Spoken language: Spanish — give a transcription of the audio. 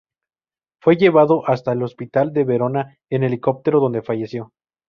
Fue llevado hasta el hospital de Verona en helicóptero donde falleció.